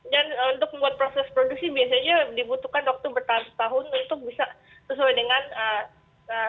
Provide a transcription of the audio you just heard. dan untuk membuat proses produksi biasanya dibutuhkan dokter bertahun tahun untuk bisa sesuai dengan standar